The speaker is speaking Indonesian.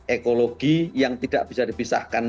ekologi yang tidak bisa dipisahkan